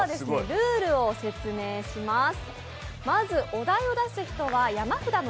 ルールを説明します。